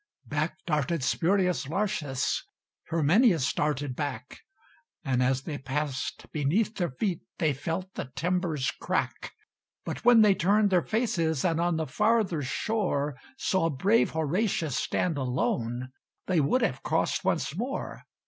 Back darted Spurius Lartius; Herminius darted back: And, as they passed, beneath their feet They felt the timbers crack. But, when they turned their faces, And on the farther shore Saw brave Horatius stand alone, They would have crossed once more.